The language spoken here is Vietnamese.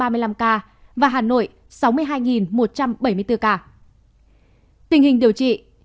tình hình điều trị